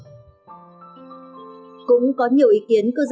cũng có nhiều ý kiến về bất đắc dĩ nhưng không phải là xe buýt nhanh như mong đợi